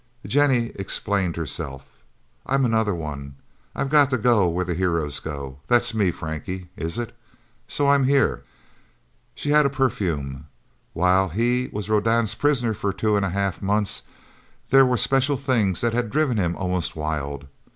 Jennie explained herself. "I'm another one. I've got to go where the heroes go. That's me Frankie, is it? So I'm here..." She had a perfume. While he was Rodan's prisoner for two and a half months, there were special things that had driven him almost wild.